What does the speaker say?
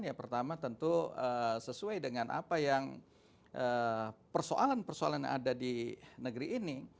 ya pertama tentu sesuai dengan apa yang persoalan persoalan yang ada di negeri ini